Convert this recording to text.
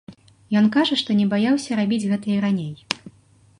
Ён кажа, што не баяўся рабіць гэта і раней.